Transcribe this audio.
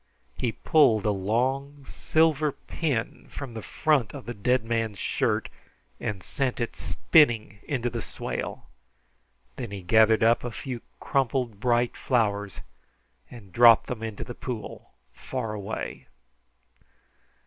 He pulled a long silver pin from the front of the dead man's shirt and sent it spinning into the swale. Then he gathered up a few crumpled bright flowers and dropped them into the pool far away.